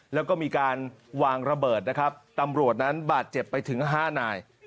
แล้วก็มีการวางระเบิดนะครับตำรวจนั้นบาดเจ็บไปถึง๕นาย